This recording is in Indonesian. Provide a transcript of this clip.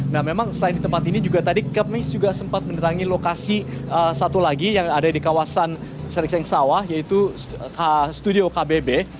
nah memang selain di tempat ini juga tadi kepmis juga sempat mendatangi lokasi satu lagi yang ada di kawasan serikseng sawah yaitu studio kbb